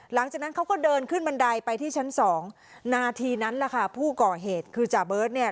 หลังจากนั้นเขาก็เดินขึ้นบันไดไปที่ชั้นสองนาทีนั้นแหละค่ะผู้ก่อเหตุคือจ่าเบิร์ตเนี่ย